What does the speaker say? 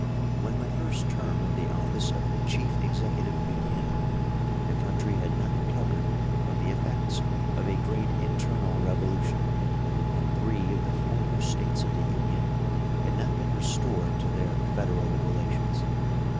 When my first term of the office of Chief Executive began, the country had not recovered from the effects of a great internal revolution, and three of the former States of the Union had not been restored to their Federal relations.